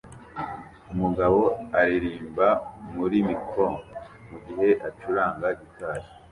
Umugabo aririmba muri mikoro mugihe acuranga gitari